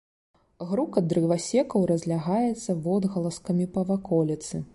Грукат дрывасекаў разлягаецца водгаласкамі па ваколіцы.